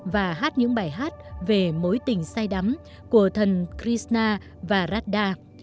và hát những bài hát về mối tình sai đắm của thần krishna và radha